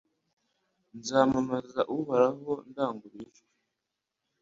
Nzamamaza Uhoraho ndanguruye ijwi